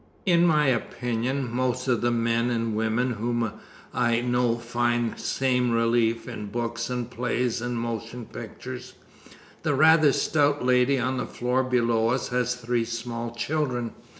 In my opinion, most of the men and women whom I know find the same relief in books and plays and motion pictures. The rather stout lady on the floor below us has three small children.